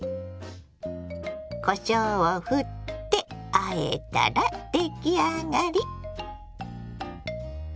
こしょうをふってあえたら出来上がり。